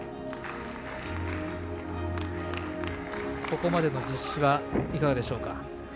ここまでの実施はいかがでしょう。